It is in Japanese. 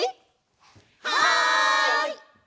はい！